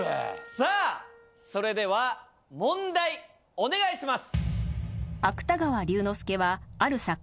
さあそれでは問題お願いします！